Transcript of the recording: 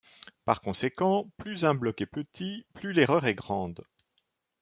Par conséquent, plus un bloc est petit, plus l'erreur est grande.